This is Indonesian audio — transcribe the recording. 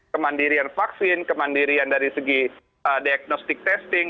kemandirian vaksin kemandirian dari segi diagnostic testing